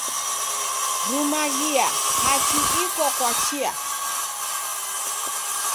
Rumaghia hachi iko kwa chia